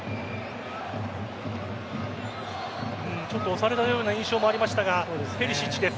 ちょっと押されたような印象もありましたがペリシッチです。